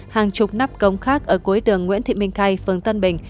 hàng chục nắp cống khác ở cuối đường nguyễn thị minh khay phường tân bình